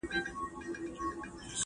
د ویلو مخکي فکر وکړئ.